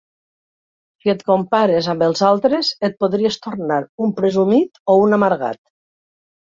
Si et compares amb els altres, et podries tornar un presumit o un amargat